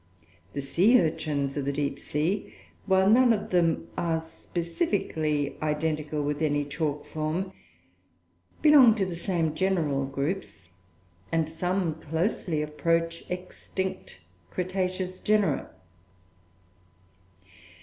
The sea urchins of the deep sea, while none of them are specifically identical with any chalk form, belong to the same general groups, and some closely approach extinct cretaceous genera.